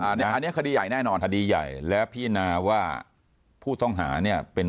อันนี้คดีใหญ่แน่นอนคดีใหญ่และพินาว่าผู้ต้องหาเนี่ยเป็น